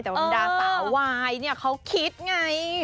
แต่ว่ามันด่าสาววายเขาคิดไง